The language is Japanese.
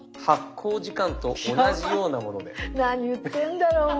何言ってるんだろうもう。